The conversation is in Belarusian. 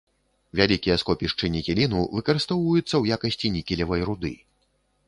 Вялікія скопішчы нікеліну выкарыстоўваюцца ў якасці нікелевай руды.